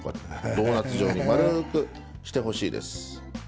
ドーナツ状に円くしてほしいです。